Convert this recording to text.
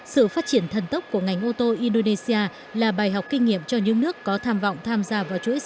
sự phát triển thần tốc của ngành ô tô indonesia là bài học kinh nghiệm cho những nước có tham vọng tham gia vào chuỗi xe ô tô